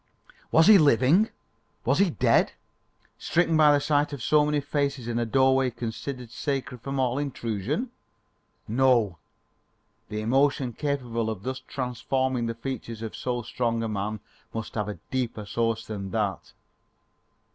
Was he living? Was he dead? stricken by the sight of so many faces in a doorway considered sacred from all intrusion? No! the emotion capable of thus transforming the features of so strong a man must have a deeper source than that.